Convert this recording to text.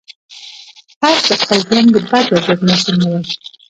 فرد د خپل ژوند د بد وضعیت مسوول نه دی.